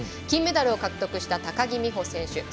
金メダルを獲得した高木美帆選手。